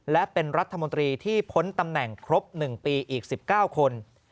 และเป็นรัฐมนตรีที่พ้นตำแหน่งครบ๑ปีอีก๑๙คน